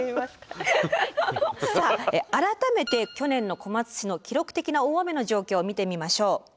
改めて去年の小松市の記録的な大雨の状況を見てみましょう。